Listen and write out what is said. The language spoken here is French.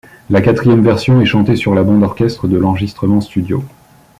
La quatrième version est chantée sur la bande-orchestre de l'enregistrement studio.